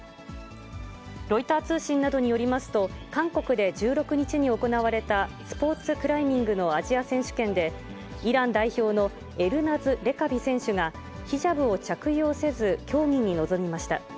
ロイター通信などによりますと、韓国で１６日に行われたスポーツクライミングのアジア選手権で、イラン代表のエルナズ・レカビ選手が、ヒジャブを着用せず、競技に臨みました。